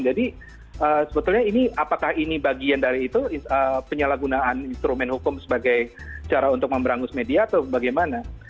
jadi sebetulnya ini apakah ini bagian dari itu penyalahgunaan instrumen hukum sebagai cara untuk memberangus media atau bagaimana